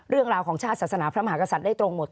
เรื่องราวของชาติศาสนาพระมหากษัตริย์ได้ตรงหมด